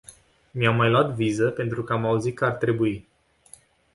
Mi-am mai luat viză, pentru că am auzit că ar trebui.